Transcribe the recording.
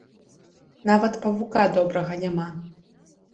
Нават павука добрага няма.